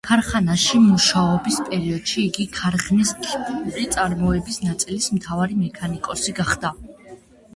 ქარხანაში მუშაობის პერიოდში იგი ქარხნის ქიმიური წარმოების ნაწილის მთავარი მექანიკოსი გახდა.